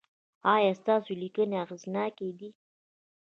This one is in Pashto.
ایا ستاسو لیکنې اغیزناکې دي؟